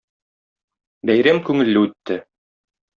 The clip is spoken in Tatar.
Бәйрәм күңелле үтте.